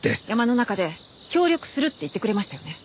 山の中で「協力する」って言ってくれましたよね？